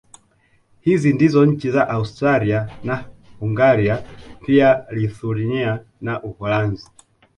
Hizi ndizo nchi za Austria na Hungari pia Lithuania na Uholanzi